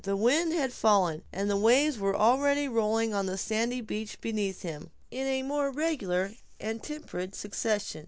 The wind had fallen, and the waves were already rolling on the sandy beach beneath him, in a more regular and tempered succession.